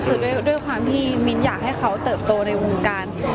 คือด้วยความที่มิ้นอยากให้เขาเติบโตในวงการ